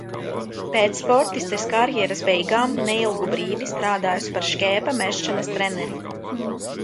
Pēc sportistes karjeras beigām neilgu brīdi strādājusi par šķēpa mešanas treneri.